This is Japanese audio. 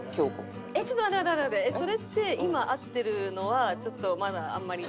それって今会ってるのはちょっとまだあんまり。